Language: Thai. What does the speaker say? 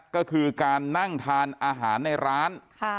ก็คือการนั่งทานอาหารในร้าน